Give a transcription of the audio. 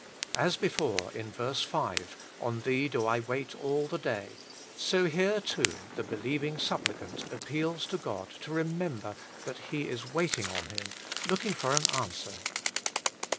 As before in ver. 5, * On Thee do I wait all the day,' so here, too, the be lieving supplicant appeals to God to remember that he is waiting on Him, looking for an answer.